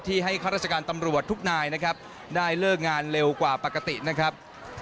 ให้ข้าราชการตำรวจทุกนายนะครับได้เลิกงานเร็วกว่าปกตินะครับ